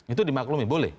itu dimaklumi boleh